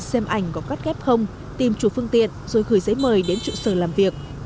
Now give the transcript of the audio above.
xem ảnh có cắt ghép không tìm chủ phương tiện rồi gửi giấy mời đến trụ sở làm việc